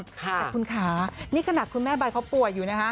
แต่คุณคะนี่ขนาดคุณแม่ใบเขาป่วยอยู่นะคะ